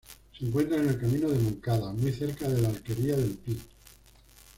Se encuentra en el camino de Moncada, muy cerca de la alquería del Pi.